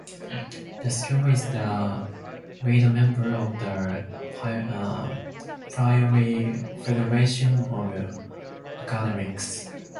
The school is the lead member of The Priory Federation of Academies.